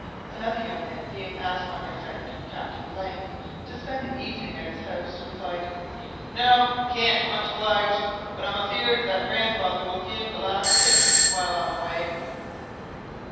Another young man, being asked by my friend, Captain , to spend the evening at his house, replied "No, can't much obliged; but I'm afear'd that grandfather will give the last kicks while I'm away."